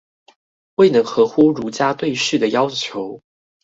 未能合乎儒家對士的要求？